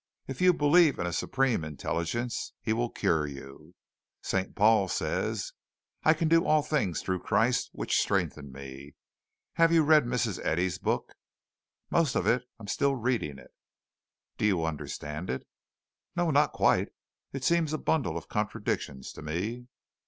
If you believe in a Supreme Intelligence, He will cure you. St. Paul says 'I can do all things through Christ which strengtheneth me.' Have you read Mrs. Eddy's book?" "Most of it. I'm still reading it." "Do you understand it?" "No, not quite. It seems a bundle of contradictions to me."